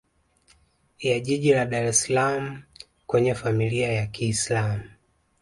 ya jiji la Dar es salaam kwenye Familia ya kiislam